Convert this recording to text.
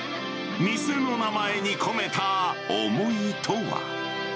店の名前に込めた思いとは。